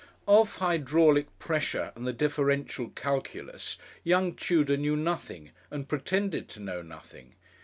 Of hydraulic pressure and the differential calculus young Tudor knew nothing, and pretended to know nothing.